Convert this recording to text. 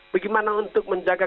bagaimana untuk menjaga